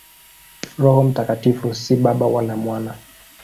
Roho Mtakatifu si Baba wala Mwana.